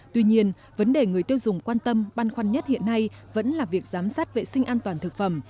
tuy nhiên vấn đề người tiêu dùng quan tâm băn khoăn nhất hiện nay vẫn là việc giám sát vệ sinh an toàn thực phẩm